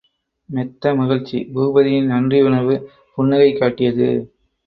மெத்த மகிழ்ச்சி! பூபதியின் நன்றியுணர்வு, புன்னகை காட்டியது.